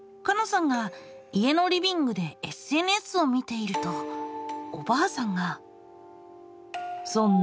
さんが家のリビングでＳＮＳを見ているとおばあさんが。